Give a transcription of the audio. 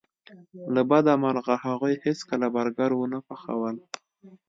له بده مرغه هغوی هیڅکله برګر ونه پخول